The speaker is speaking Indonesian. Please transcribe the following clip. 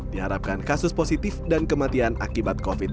diharapkan kasus positif dan kematian akibat covid sembilan belas